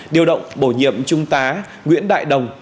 điều động bổ nhiệm trung tá nguyễn đại đồng